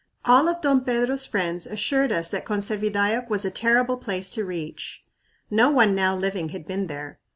All of Don Pedro's friends assured us that Conservidayoc was a terrible place to reach. "No one now living had been there."